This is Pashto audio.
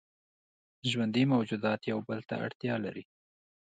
ژوندي موجودات یو بل ته اړتیا لري